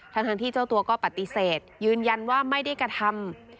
ทั้งที่เจ้าตัวก็ปฏิเสธยืนยันว่าไม่ได้กระทำ